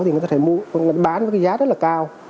thì người ta bán với giá rất là cao